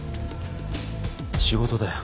仕事だよ。